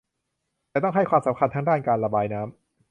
แต่ต้องให้ความสำคัญทั้งด้านการระบายน้ำ